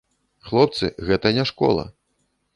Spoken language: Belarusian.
Хлопцы, гэта не школа.